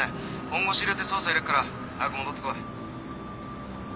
本腰入れて捜査いれっから早く戻ってこい。